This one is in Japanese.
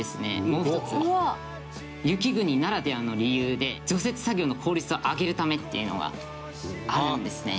もう１つ雪国ならではの理由で除雪作業の効率を上げるためっていうのがあるんですね。